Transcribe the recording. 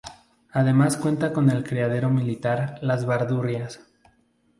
Además cuenta con el Criadero Militar Las Bandurrias.